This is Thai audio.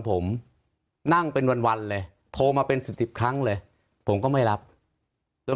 ผมนั่งเป็นวันวันเลยโทรมาเป็นสิบสิบครั้งเลยผมก็ไม่รับจน